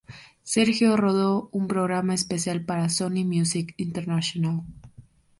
Sergio rodó un programa especial para Sony Music International.